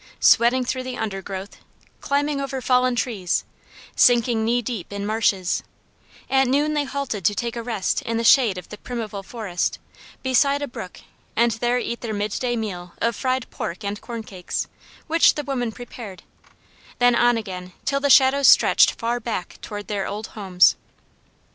Sweating through the undergrowth; climbing over fallen trees; sinking knee deep in marshes; at noon they halted to take a rest in the shade of the primeval forest, beside a brook, and there eat their mid day meal of fried pork and corn cakes, which the women prepared; then on again, till the shadows stretched far back toward their old homes.